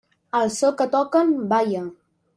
Al so que toquen, balla.